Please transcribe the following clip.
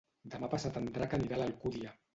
Demà passat en Drac anirà a l'Alcúdia.